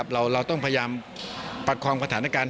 เราต้องพยายามประคองสถานการณ์